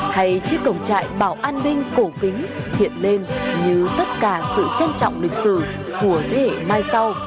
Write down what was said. hay chiếc cổng trại bảo an ninh cổ kính hiện lên như tất cả sự trân trọng lịch sử của thế hệ mai sau